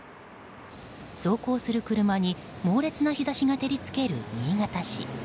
走行する車に猛烈な日差しが照り付ける新潟市。